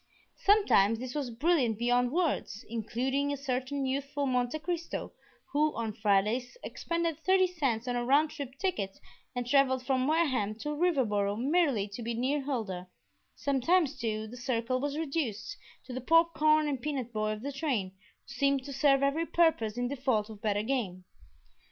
Sometimes this was brilliant beyond words, including a certain youthful Monte Cristo, who on Fridays expended thirty cents on a round trip ticket and traveled from Wareham to Riverboro merely to be near Huldah; sometimes, too, the circle was reduced to the popcorn and peanut boy of the train, who seemed to serve every purpose in default of better game.